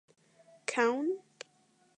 Kaun?